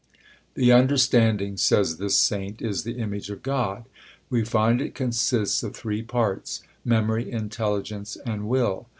"The understanding," says this saint, "is the image of God. We find it consists of three parts: memory, intelligence, and will.